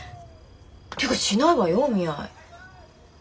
ていうかしないわよお見合い。